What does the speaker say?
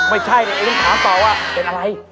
ไม่ใช่คำถามตอบว่าเป็นอะไร